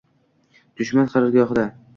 Dushman qarorgohida.